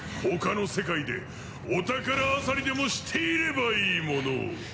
他の世界でお宝あさりでもしていればいいものを。